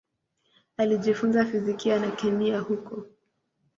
Alijifunza fizikia na kemia huko.